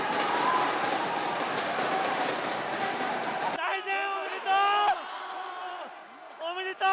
大然、おめでとう！